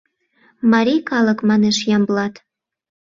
— Марий калык! — манеш Ямблат.